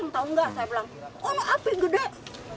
saya bilang oh api besar